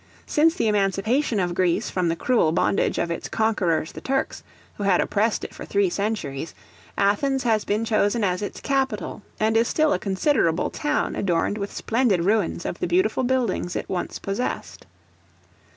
Since the emancipation of Greece from the cruel bondage of its conquerors the Turks, who had oppressed it for three centuries, Athens has been chosen as its capital, and is still a considerable town adorned with splendid ruins of the beautiful buildings it once possessed.